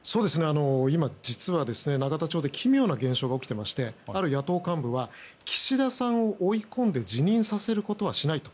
今、実は永田町で奇妙な現象が起きていましてある野党幹部は岸田さんを追い込んで辞任させることはしないと。